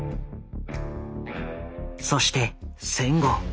そして戦後。